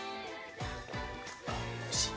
あっおいしい。